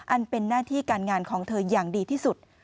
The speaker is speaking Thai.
อันเป็นหน้าที่การงานของเธออย่างดีที่สุด